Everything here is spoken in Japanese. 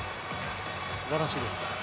素晴らしいです。